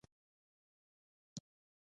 پخوا د چین خلک ډېر غریب وو.